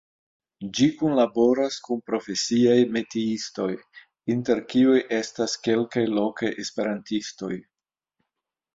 Ĝi kunlaboras kun profesiaj metiistoj, inter kiuj estas kelkaj lokaj esperantistoj.